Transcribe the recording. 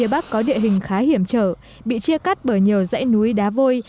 bắc có địa hình khá hiểm trở bị chia cắt bởi nhiều dãy núi đá vôi